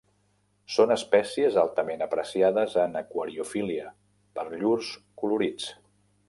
Són espècies altament apreciades en aquariofília per llurs colorits.